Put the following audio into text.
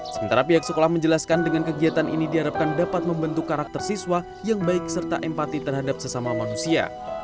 sementara pihak sekolah menjelaskan dengan kegiatan ini diharapkan dapat membentuk karakter siswa yang baik serta empati terhadap sesama manusia